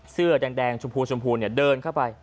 เสื้อแดงชมพูเดินเข้าไป